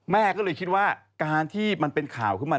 แม่ก็เลยคิดว่าการที่มันเป็นข่าวขึ้นมา